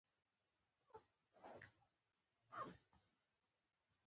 د افغانستان طبیعت له سمندر نه شتون څخه جوړ شوی دی.